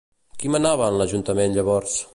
Qui manava en l'ajuntament llavors?